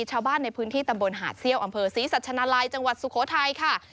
ชาวบ้านในพื้นที่ตำบลหาดเซี่ยวอำเภอศรีสัชนาลัยจังหวัดสุโขทัยค่ะ